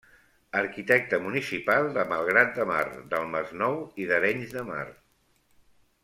Arquitecte municipal de Malgrat de Mar, del Masnou i d'Arenys de Mar.